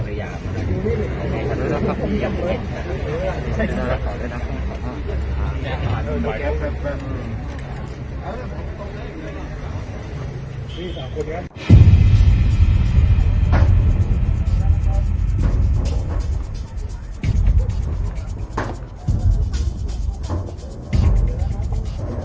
ก็อยากที่สุดยอดแล้วจะไปย้ายออกมาได้